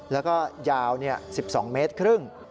แล้วก็ยาว๑๒เมตรครึ่ง